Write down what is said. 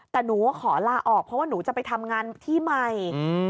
แต่หนูขอลาออกเพราะว่าหนูจะไปทำงานที่ใหม่